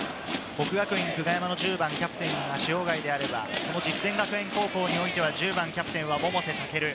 國學院久我山のキャプテンが塩貝であれば、実践学園高校においては１０番・キャプテンは百瀬健。